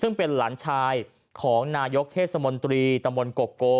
ซึ่งเป็นหลานชายของนายกเทศมนตรีตำบลโกโก